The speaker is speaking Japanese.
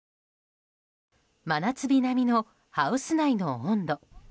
真夏日並みのハウス内の温度。